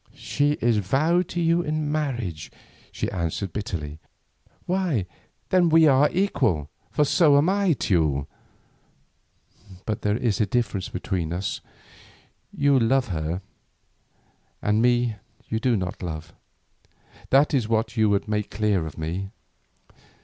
"She is vowed to you in marriage," she answered bitterly: "why, then we are equal, for so am I, Teule. But there is this difference between us; you love her, and me you do not love. That is what you would make clear to me.